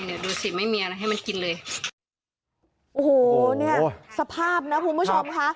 ดูสิไม่มีอะไรให้มันกินเลยโอ้โหเนี่ยสภาพนะคุณผู้ชมค่ะ